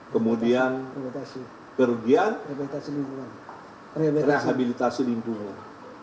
kemudian kerugian rehabilitasi lingkungan